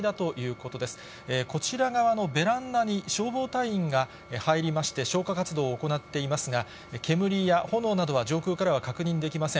こちら側のベランダに消防隊員が入りまして、消火活動を行っていますが、煙や炎などは、上空からは確認できません。